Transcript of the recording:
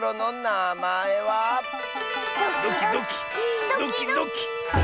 ドキドキドキドキ。